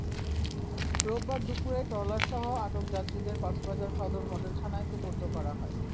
রোববার দুপুরে ট্রলারসহ আটক যাত্রীদের কক্সবাজার সদর মডেল থানায় সোপর্দ করা হয়।